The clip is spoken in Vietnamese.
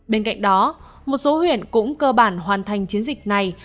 bên cạnh đó một số huyện cũng cơ bản hoàn thành chiến dịch này